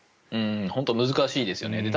本当に難しいですよね。